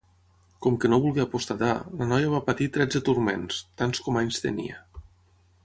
Com que no volgué apostatar, la noia va patir tretze turments, tants com anys tenia.